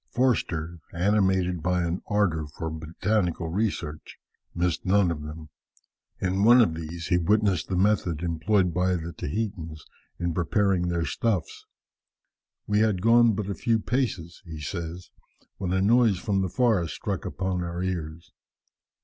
Forster, animated by an ardour for botanical research, missed none of them. In one of these he witnessed the method employed by the Tahitans in preparing their stuffs. "We had gone but a few paces," he says, "when a noise from the forest struck upon our ears.